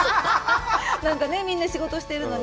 なんかね、みんな仕事してるのに。